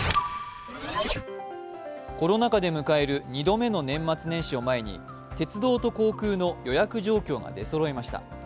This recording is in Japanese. コロナ禍で迎える２度目の年末年始を前に、鉄道と航空の予約状況が出そろいました。